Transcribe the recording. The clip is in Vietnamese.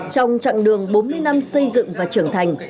trong chặng đường bốn mươi năm xây dựng và trưởng thành